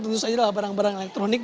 tentu saja adalah barang barang elektronik